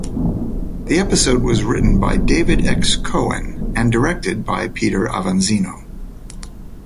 The episode was written by David X. Cohen and directed by Peter Avanzino.